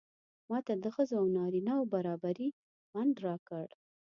ماته د ښځو او نارینه و برابري خوند راکړ.